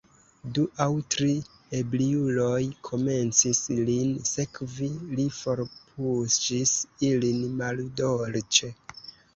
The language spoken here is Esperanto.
Du aŭ tri ebriuloj komencis, lin sekvi: li forpuŝis ilin maldolĉe.